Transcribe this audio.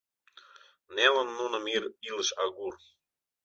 Нелын нуным ир илыш агур.